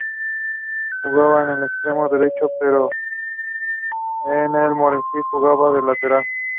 Jugaba de extremo derecho, pero en el Morell, jugaba de lateral.